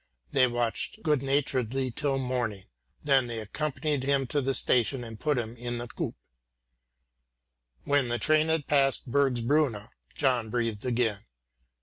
They watched good naturedly till morning, then they accompanied him to the station, and put him in the coupé. When the train had passed Bergsbrunna, John breathed again.